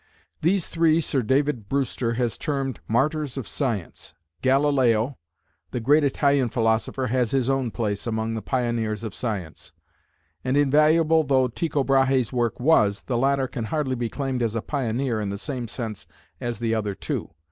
These three Sir David Brewster has termed "Martyrs of Science"; Galileo, the great Italian philosopher, has his own place among the "Pioneers of Science"; and invaluable though Tycho Brahe's work was, the latter can hardly be claimed as a pioneer in the same sense as the other two.